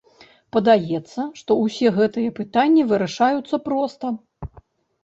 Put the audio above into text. Падаецца, што ўсе гэтыя пытанні вырашаюцца проста.